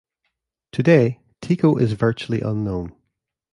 Today Teeko is virtually unknown.